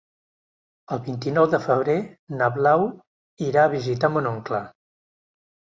El vint-i-nou de febrer na Blau irà a visitar mon oncle.